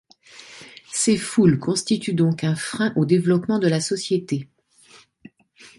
Ces foules constituent donc un frein au développement de la société.